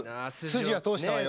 筋は通したわよ。